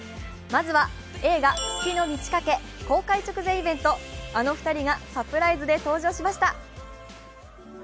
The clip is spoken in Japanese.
まずは映画「月の満ち欠け」公開直前イベント、あの２人がサプライズで登場しました。